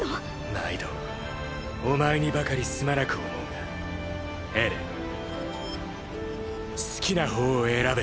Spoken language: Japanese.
毎度お前にばかりすまなく思うがエレン好きな方を選べ。